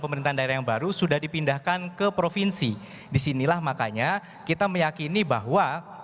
pemerintahan daerah yang baru sudah dipindahkan ke provinsi disinilah makanya kita meyakini bahwa